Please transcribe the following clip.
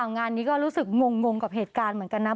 งานนี้ก็รู้สึกงงกับเหตุการณ์เหมือนกันนะ